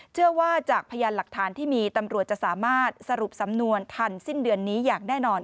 จากพยานหลักฐานที่มีตำรวจจะสามารถสรุปสำนวนทันสิ้นเดือนนี้อย่างแน่นอน